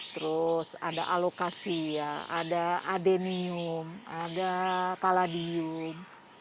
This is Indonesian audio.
terus ada alokasi ya ada adenium ada kaladium